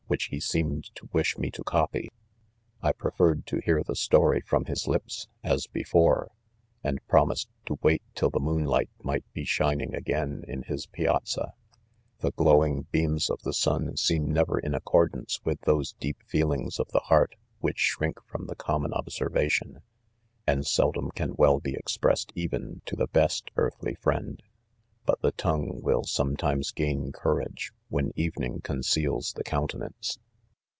which he seemed to wish me to copy :— I ..preferred .to hear the story from his lips, as before, and promised .to wait till the moonlight might.be shining again in, his.. piazza, i The I glowing ,beams of the sun seem never in ac= I cordance with those. deep feelings, of the heart / which shrink from. the common observation, ;' and' seldom can well be ..expressed even to .the • best .earthly friend ; hut the tongue will some ; times gain courage when evening conceals the } countenance